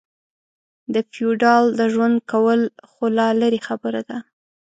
د فېوډال د ژوند کول خو لا لرې خبره ده.